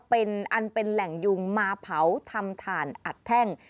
เป็นอันเป็นแหล่งยุงมาเผาทำถ่านอัดแท่ง